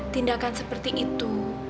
tindakan seperti itu